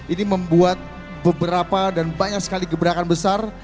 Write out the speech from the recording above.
ini membuat beberapa dan banyak sekali gebrakan besar